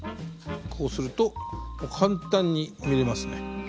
こうすると簡単に見れますね読み取って。